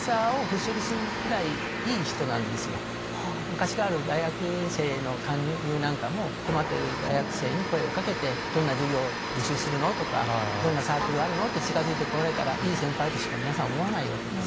昔からある大学生の勧誘なんかも困ってる大学生に声を掛けてどんな授業履修するの？とかどんなサークルあるの？って近づいて来られたらいい先輩としか皆さん思わないわけです。